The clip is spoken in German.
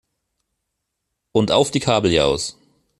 Und auf die Kabeljaus!